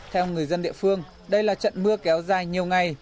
theo người dân địa phương đây là trận mưa kéo dài nhiều ngày